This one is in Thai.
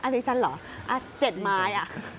อริชันเหรอ๗ไม้